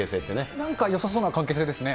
なんかよさそうな関係性ですね。